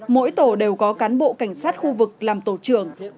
mỗi tổ đều có cán bộ cảnh sát khu vực làm tổ trưởng